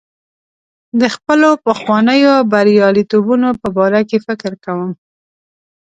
د خپلو پخوانیو بریالیتوبونو په باره کې فکر کوم.